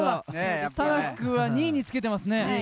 タナックは２位につけていますね。